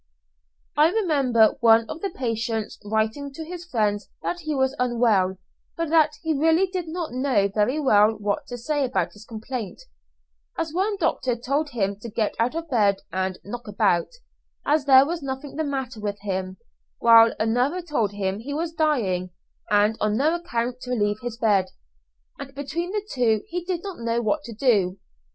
I remember one of the patients writing to his friends that he was unwell, but that he really did not know very well what to say about his complaint, as one doctor told him to get out of bed and "knock about," as there was nothing the matter with him, while another told him he was dying, and on no account to leave his bed, and between the two he did not know what to do.